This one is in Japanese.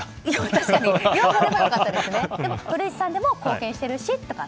でも、古市さんでも貢献しているしとか。